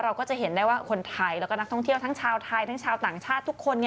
เราก็จะเห็นได้ว่าคนไทยแล้วก็นักท่องเที่ยวทั้งชาวไทยทั้งชาวต่างชาติทุกคน